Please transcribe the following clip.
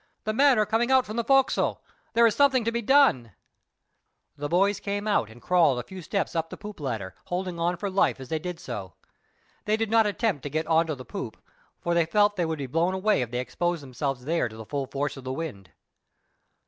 "The men are coming out from the fo'castle. There is something to be done." The boys came out and crawled a few steps up the poop ladder, holding on for life as they did so. They did not attempt to get on to the poop, for they felt they would be blown away if they exposed themselves there to the full force of the wind.